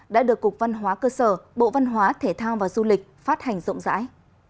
đã được cục văn hóa cơ sở bộ văn hóa thể thao và du lịch phát hành rộng rãi